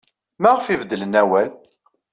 Maɣef ay beddlen awal?